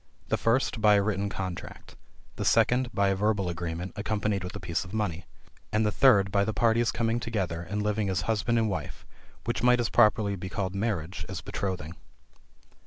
The first by a written contract. The second, by a verbal agreement, accompanied with a piece of money. And the third, by the parties coming together, and living as husband and wife; which might as properly be called marriage as betrothing.